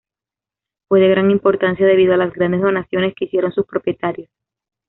Fue de gran importancia, debido a las grandes donaciones que hicieron sus propietarios.